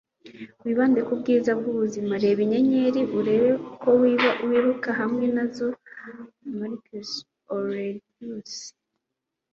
wibande ku bwiza bw'ubuzima. reba inyenyeri, urebe ko wiruka hamwe na zo. - marcus aurelius